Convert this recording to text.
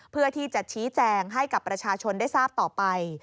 เพื่อที่จะชี้แจงให้กับประชาชนได้ทราบต่อไป